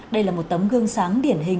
đây là một tấm gương sáng điển hình